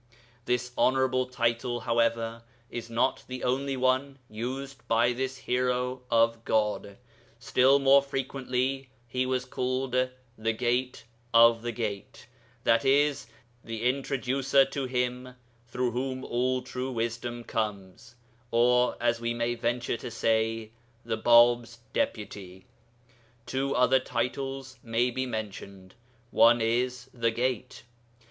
This honourable title, however, is not the only one used by this Hero of God. Still more frequently he was called 'The Gate of the Gate,' i.e. the Introducer to Him through Whom all true wisdom comes; or, we may venture to say, the Bāb's Deputy. Two other titles maybe mentioned. One is 'The Gate.'